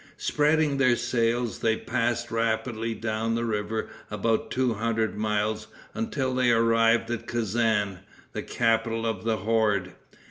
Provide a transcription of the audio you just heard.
Spreading their sails, they passed rapidly down the river about two hundred miles, until they arrived at Kezan, the capital of the horde.